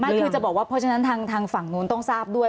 ไม่คือจะบอกว่าเพราะฉะนั้นทางฝั่งนู้นต้องทราบด้วย